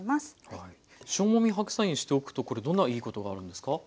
塩もみ白菜にしておくとこれどんないいことがあるんですか？